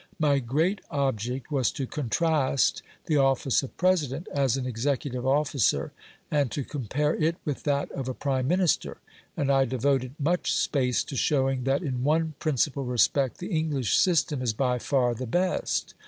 My great object was to contrast the office of President as an executive officer and to compare it with that of a Prime Minister; and I devoted much space to showing that in one principal respect the English system is by far the best.